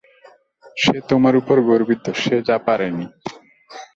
সে তোমার উপর গর্বিত, সে যা পারেনি।